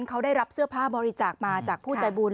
เขาได้รับเสื้อผ้าบริจาคมาจากผู้ใจบุญ